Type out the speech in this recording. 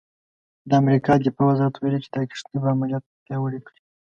د امریکا دفاع وزارت ویلي چې دا کښتۍ به عملیات پیاوړي کړي.